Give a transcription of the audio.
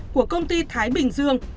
của công ty thái bình dương